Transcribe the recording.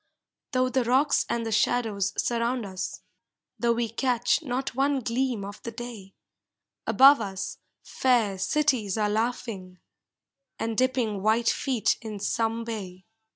Though the rocks and the shadows surround us. Though we catch not one gleam of the day, Above us fair cities are laughing, And dipping white feet in some bay.